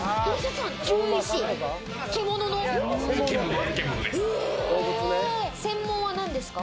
獣です。